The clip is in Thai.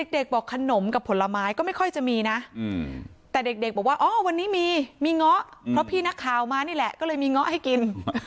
เด็กบอกขนมกับผลไม้ก็ไม่ค่อยจะมีนะแต่เด็กบอกว่าอ๋อวันนี้มีมีเงาะเพราะพี่นักข่าวมานี่แหละก็เลยมีเงาะให้กิน